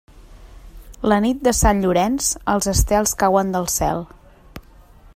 La nit de Sant Llorenç, els estels cauen del cel.